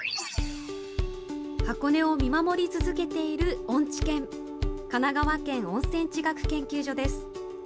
箱根を見守り続けている温地研、神奈川県温泉地学研究所です。